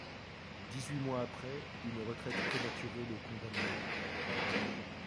Dix-huit mois après, une retraite prématurée le condamna au repos.